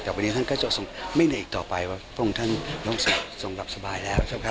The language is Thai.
แต่วันนี้ท่านก็จะทรงไม่เหนื่อยอีกต่อไปว่าพระองค์ท่านต้องทรงหลับสบายแล้ว